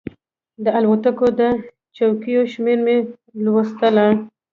د الوتکې د څوکیو شمېره مې لوستله.